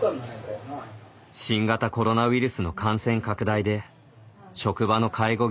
新型コロナウイルスの感染拡大で職場の介護